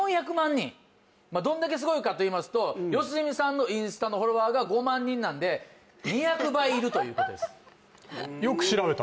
人どんだけすごいかといいますと良純さんのインスタのフォロワーが５万人なんで２００倍いるということです